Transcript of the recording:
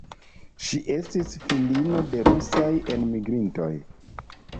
Ŝi estis filino de rusaj enmigrintoj.